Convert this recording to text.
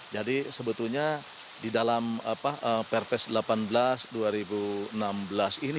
jadi sebetulnya di dalam perpres delapan belas dua ribu enam belas ini